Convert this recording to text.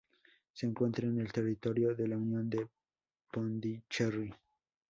Se encuentra en el territorio de la Unión de Pondicherry.